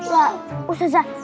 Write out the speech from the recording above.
lah ustaz jahir